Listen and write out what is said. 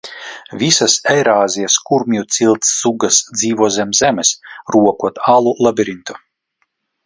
Visas Eirāzijas kurmju cilts sugas dzīvo zem zemes, rokot alu labirintu.